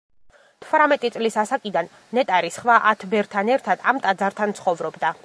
თვრამეტი წლის ასაკიდან ნეტარი სხვა ათ ბერთან ერთად ამ ტაძართან ცხოვრობდა.